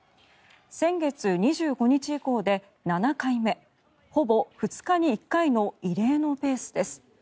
先月２５日以降で７回目ほぼ２日に１回の異例のペースです。